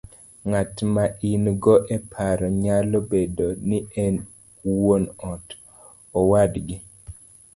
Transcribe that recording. Ng'at ma in go e paro nyalo bedo ni en wuon ot, owadgi,